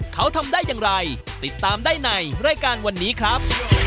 เขาทำได้อย่างไรติดตามได้ในรายการวันนี้ครับ